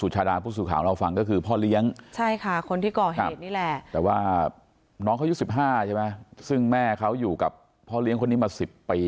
ใช่ค่ะคนที่ก่อเหตุนี่แหละแต่ว่าน้องเขายุค๑๕ใช่ไหมซึ่งแม่เขาอยู่กับพ่อเลี้ยงคนนี้มา๑๐ปี